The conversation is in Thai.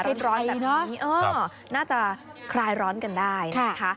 ร้อนแบบนี้น่าจะคลายร้อนกันได้